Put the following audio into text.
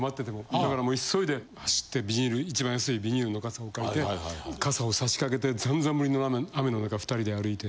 だからもう急いで走って一番安いビニールの傘を買って傘を差しかけてざんざんぶりの雨の中２人で歩いて。